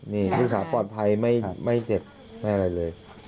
นี่ลูกสาวปลอดภัยไม่เจ็บไม่อะไรเลย